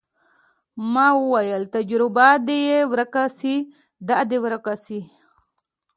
ما وويل تجربه دې يې ورکه سي دا دې ورکه سي.